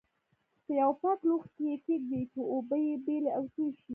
په یوه پاک لوښي کې یې کېږدئ چې اوبه یې بېلې او توی شي.